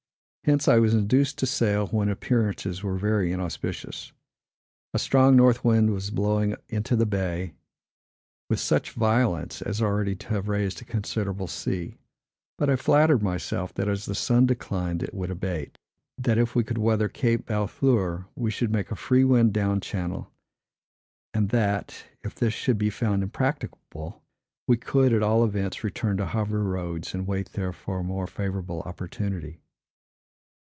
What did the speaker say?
Hence, I was induced to sail when appearances were very inauspicious. A strong north wind was blowing into the bay with such violence as already to have raised a considerable sea; but I flattered myself, that, as the sun declined, it would abate; that, if we could weather Cape Barfleur, we should make a free wind down channel; and that, if this should be found impracticable, we could, at all events, return to Havre Roads, and wait there a more favorable opportunity.